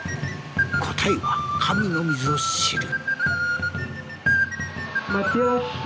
答えは神のみぞ知る。